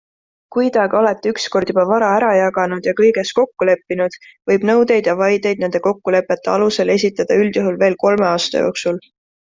Kui te aga olete ükskord juba vara ära jaganud ja kõiges kokku leppinud, võib nõudeid ja vaideid nende kokkulepete alusel esitada üldjuhul veel kolme aasta jooksul.